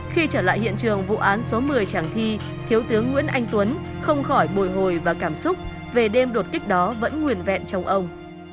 khi trở lại hiện trường vụ án số một mươi tràng thi thiếu tướng nguyễn anh tuấn không khỏi bồi hồi và cảm xúc về đêm đột kích đó vẫn nguyên vẹn trong ông